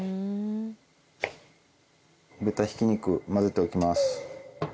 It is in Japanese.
豚ひき肉、混ぜておきます。